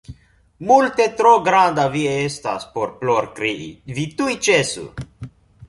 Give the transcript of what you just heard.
Multe tro granda vi estas por plorkrii, vi tuj ĉesu!